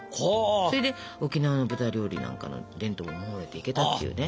それで沖縄の豚料理なんかの伝統を守れていけたっていうね。